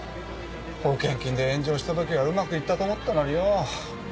保険金で炎上した時はうまく行ったと思ったのによぉ。